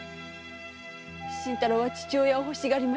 新太郎は父親を欲しがりました。